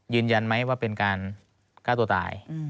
ยืนยันไหมว่าเป็นการฆ่าตัวตาย